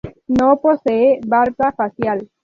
No posee barba facial.